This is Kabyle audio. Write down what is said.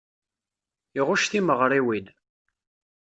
Iɣucc timeɣriwin.